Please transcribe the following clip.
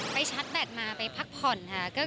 ไปชัดแบตมาไปพักผ่อนค่ะ